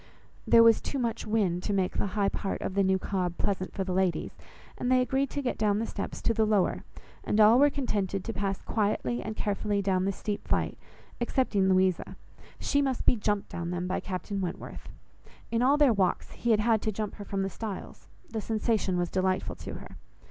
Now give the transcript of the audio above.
There was too much wind to make the high part of the new Cobb pleasant for the ladies, and they agreed to get down the steps to the lower, and all were contented to pass quietly and carefully down the steep flight, excepting Louisa; she must be jumped down them by Captain Wentworth. In all their walks, he had had to jump her from the stiles; the sensation was delightful to her.